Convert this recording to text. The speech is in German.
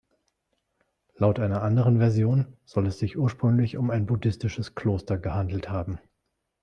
Laut einer anderen Version soll es sich ursprünglich um ein buddhistisches Kloster gehandelt haben.